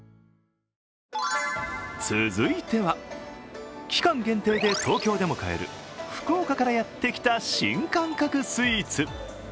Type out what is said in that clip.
続いては、期間限定で東京でも買える福岡からやってきた新感覚スイーツ。